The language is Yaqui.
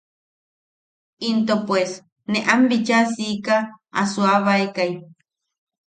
Into pues ne am bichaa siika a suuabaekai.